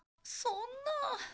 そんな。